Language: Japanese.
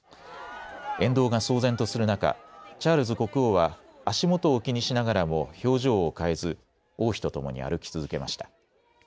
沿道が騒然とする中、チャールズ国王は足元を気にしながらも表情を変えず王妃と共に歩き続けました。